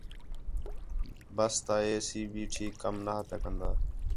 بس تا اے سی بھی ٹھیک کم نہیاں پیا کندا ہا